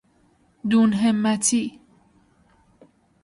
دون همتی